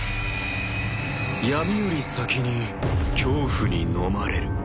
闇より先に恐怖に飲まれる。